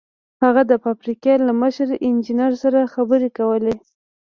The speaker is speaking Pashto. هغه د فابريکې له مشر انجنير سره خبرې کولې.